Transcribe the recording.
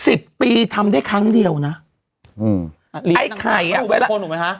สิบปีทำได้ครั้งเดียวนะอืมไอ้ไข่อ่ะวัดถูกบงคลหนูไหมฮะ